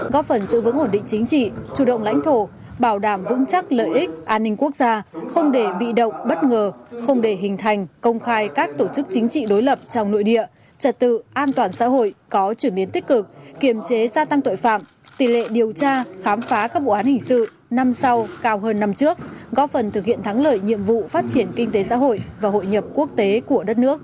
chính trị chủ động lãnh thổ bảo đảm vững chắc lợi ích an ninh quốc gia không để bị động bất ngờ không để hình thành công khai các tổ chức chính trị đối lập trong nội địa trật tự an toàn xã hội có chuyển biến tích cực kiềm chế gia tăng tội phạm tỷ lệ điều tra khám phá các bộ án hình sự năm sau cao hơn năm trước góp phần thực hiện thắng lợi nhiệm vụ phát triển kinh tế xã hội và hội nhập quốc tế của đất nước